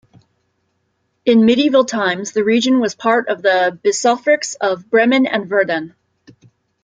In medieval times the region was part of the bishoprics of Bremen and Verden.